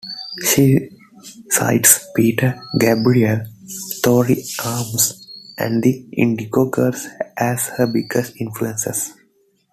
She cites Peter Gabriel, Tori Amos and The Indigo Girls as her biggest influences.